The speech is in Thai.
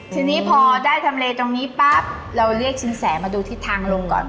ทีนี้พอได้ทำเลตรงนี้ปั๊บเราเรียกสินแสมาดูทิศทางลงก่อน